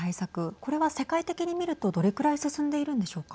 これは世界的に見るとどれぐらい進んでいるんでしょうか。